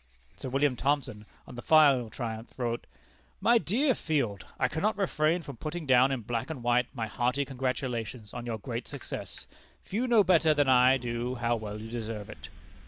Sir William Thomson, on the final triumph, wrote: "My dear Field, I cannot refrain from putting down in black and white my hearty congratulations on your great success. Few know better than I do how well you deserve it."